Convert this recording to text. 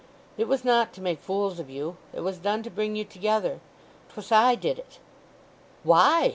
"It was not to make fools of you—it was done to bring you together. 'Twas I did it." "Why?"